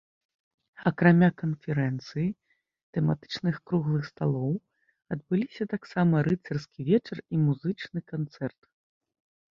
Акрамя канферэнцыі, тэматычных круглых сталоў адбыліся таксама рыцарскі вечар і музычны канцэрт.